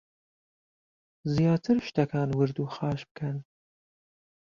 زیاتر شتەکان ورد و خاش بکەن